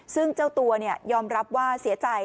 ซึ่งเจ้าตัวยอมรับว่าเสียใจ